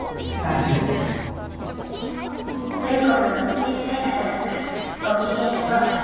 全国のお小さい方々ごきげんよう。